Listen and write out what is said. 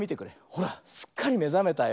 ほらすっかりめざめたよ。